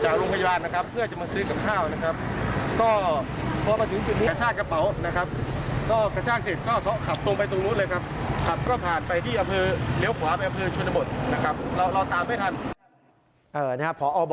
จากโรงพยาบาลเพื่อจะมาซื้อกับข้าวนะครับ